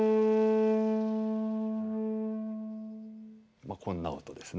まあこんな音ですね。